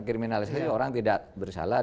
kriminalisasi orang tidak bersalah